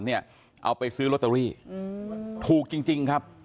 เอาไปซื้อลอตเตอรี่ถูกจริงครับ